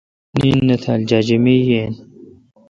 نین نہ تھال جاجمے یین۔